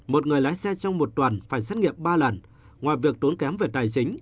một người lái xe trong một tuần phải xét nghiệm ba lần ngoài việc tốn kém về tài chính